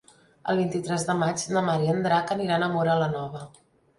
El vint-i-tres de maig na Mar i en Drac aniran a Móra la Nova.